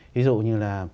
ví dụ như là